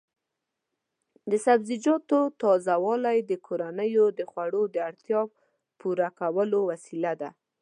د سبزیجاتو تازه والي د کورنیو د خوړو د اړتیا پوره کولو وسیله ده.